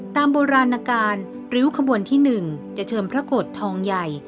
ตามโบราณการริ้วขบวนที่๑จะเชิญพระโกรธทองใหญ่